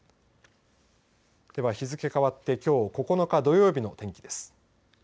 では日付変わってきょう９日、土曜日の天気です。